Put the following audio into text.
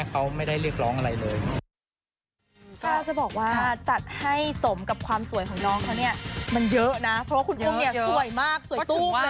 เพราะคุณอุ้มเนี่ยสวยมากสวยตูบเลยอะ